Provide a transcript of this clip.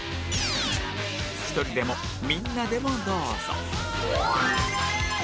１人でもみんなでもどうぞ